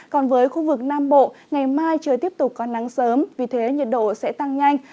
còn với khu vực nam bộ ngày mai trời tiếp tục có nắng sớm vì thế nhiệt độ sẽ tăng nhanh